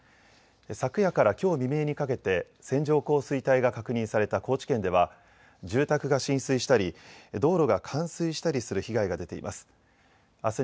昨夜からきょう未明にかけて線状降水帯が確認された高知県では住宅が浸水したり道路が冠水したりする被害が出ています。